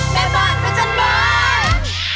แม่บ้านพระจันทร์บ้าน